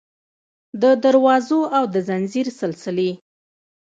د دروازو او د ځنځیر سلسلې